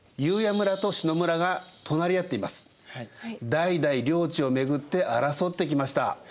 代々領地をめぐって争ってきました。